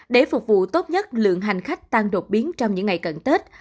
để phục vụ tốt nhất lượng hành khách tăng đột biến trong những ngày cận tết